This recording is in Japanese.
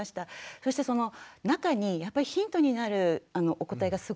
そしてその中にやっぱりヒントになるお答えがすごくあって。